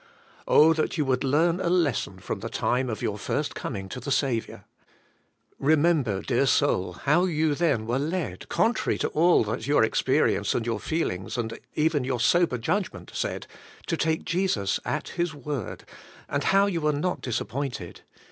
Oh that you would learn a lesson from the time of your first coming to the Saviour! Eemember, dear soul, how you then were led, contrary to all that your experience, and your feelings, and even your sober judgment said, to take Jesus at His word, and how you were not disappointed.